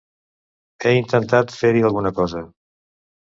He intentat fer-hi alguna cosa.